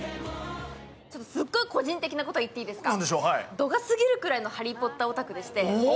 すっごい個人的なこと言っていいですか。